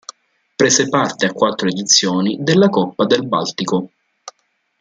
Prese parte a quattro edizioni della Coppa del Baltico.